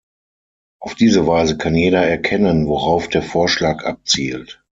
Auf diese Weise kann jeder erkennen, worauf der Vorschlag abzielt.